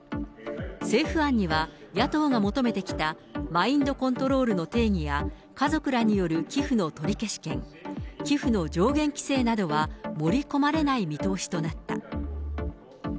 政府案には、野党が求めてきたマインドコントロールの定義や、家族らによる寄付の取消権、寄付の上限規制などは盛り込まれない見通しとなった。